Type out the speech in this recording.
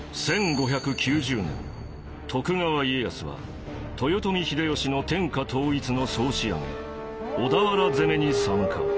徳川家康は豊臣秀吉の天下統一の総仕上げ「小田原攻め」に参加。